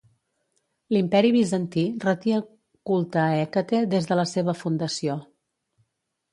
L'Imperi Bizantí retia culte a Hècate des de la seva fundació.